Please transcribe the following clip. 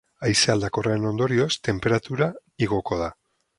Haize aldakorraren ondorioz, tenperatura igoko da.